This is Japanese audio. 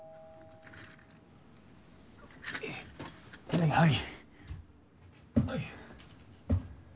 はいはい。